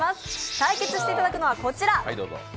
対決していただくのはこちら。